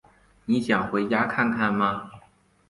你想回家看看吗？